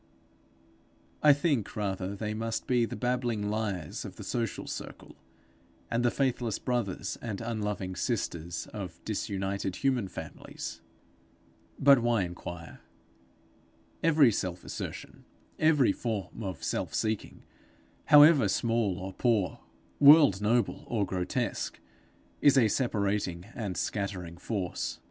I think, rather, they must be the babbling liars of the social circle, and the faithless brothers and unloving sisters of disunited human families. But why inquire? Every self assertion, every form of self seeking however small or poor, world noble or grotesque, is a separating and scattering force.